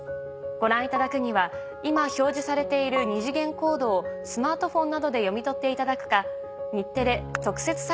ご覧いただくには今表示されている二次元コードをスマートフォンなどで読み取っていただくか。